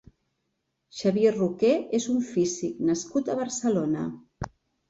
Xavier Roqué és un físic nascut a Barcelona.